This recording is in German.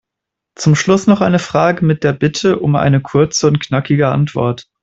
Zum Schluss noch eine Frage mit der Bitte um eine kurze und knackige Antwort.